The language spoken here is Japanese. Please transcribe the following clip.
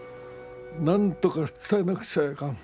なんとか伝えなくちゃいかん。